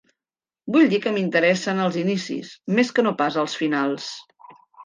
Vull dir que m'interessen els inicis, més que no pas els finals.